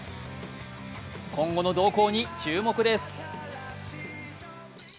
今後の動向に注目です。